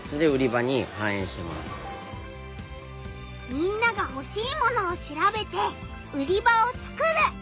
みんながほしい物を調べて売り場を作る。